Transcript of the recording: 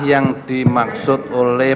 yang dimaksud oleh